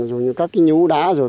dù như các cái nhú đá rồi